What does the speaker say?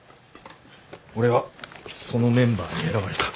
俺はそのメンバーに選ばれた。